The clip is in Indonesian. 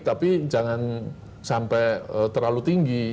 tapi jangan sampai terlalu tinggi